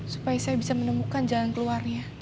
supaya saya bisa menemukan jalan keluarnya